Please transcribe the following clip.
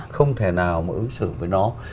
không thể nào mà ứng xử với nó